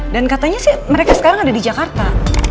dan katanya sih mereka sekarang ada di jakarta